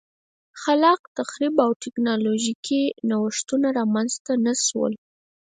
خلاق تخریب او ټکنالوژیکي نوښتونه رامنځته نه شول